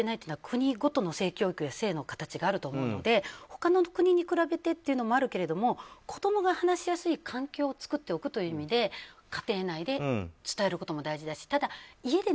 日本が遅れていないというのは国ごとの性教育や性の形があると思うので他の国に比べてというのもあるけれども子供が話しやすい環境を作っておくという意味で家庭内で伝えることも大事だし。